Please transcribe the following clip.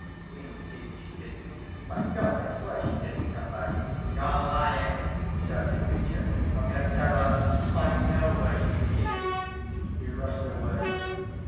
"Indeed she didn't. By God I swear she didn't come back." "You're lying!" shouted Mitya. "From your terror I know where she is." He rushed away.